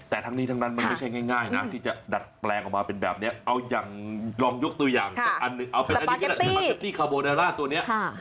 แต่ทั้งนี้ทั้งนั้นจะทำแปลงออกมาเป็นแบบนี้ผมลองพูดตัวอย่างจะที่เอาเป็นปาก็อตตี้ตัวนี้